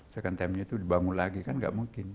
second time nya itu dibangun lagi kan nggak mungkin